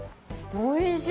おいしい。